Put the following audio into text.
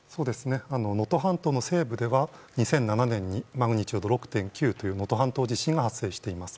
能登半島の西部では２００７年にマグニチュード６．９という能登半島地震が発生しています。